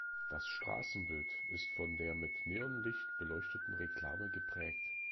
Das Straßenbild ist von der mit Neonlicht beleuchteten Reklame geprägt.